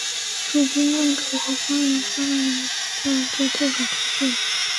楚军用楚国方言说了一阵就退了出去。